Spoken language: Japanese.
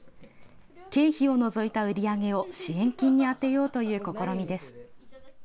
経費を除いた売り上げを支援金に充てようという試みです。